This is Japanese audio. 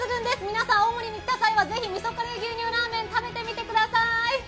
皆さん、青森に来た際はぜひ味噌カレー牛乳ラーメン食べてみてください。